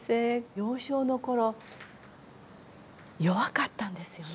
幼少の頃弱かったんですよね。